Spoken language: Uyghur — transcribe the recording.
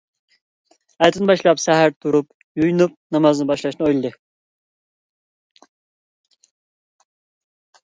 ئەتىدىن باشلاپ سەھەر تۇرۇپ يۇيۇنۇپ، نامازنى باشلاشنى ئويلىدى.